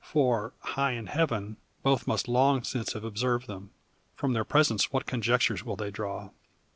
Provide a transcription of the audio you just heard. For, high in heaven, both must long since have observed them. From their presence what conjectures will they draw?